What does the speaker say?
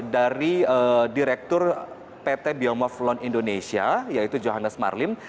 dari direktur pt biomoblone indonesia yaitu johannes marlim